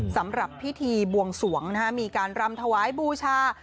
สำหรับพิธีบวงสวงมีการรำถวายบูชา